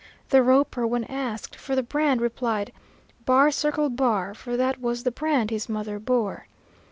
The roper, when asked for the brand, replied, "Bar circle bar," for that was the brand his mother bore.